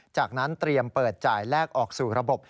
จากนั้นเตรียมเปิดจ่ายแลกออกสู่ระบบ